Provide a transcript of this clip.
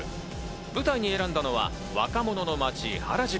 舞台に選んだのは若者の街・原宿。